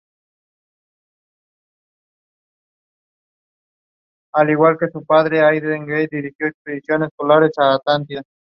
Salaam y sus agentes llegan en el último momento, salvándole la vida a Ferris.